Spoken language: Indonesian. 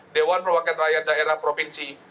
dewan perwakilan rakyat daerah provinsi